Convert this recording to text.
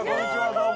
どうも。